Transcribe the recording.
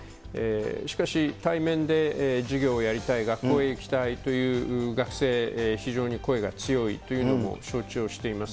しかし、対面で授業をやりたい、学校へ行きたいという学生、非常に声が強いというのも承知をしています。